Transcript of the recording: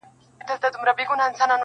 په زلفو کې اوږدې، اوږدې کوڅې د فريادي وې,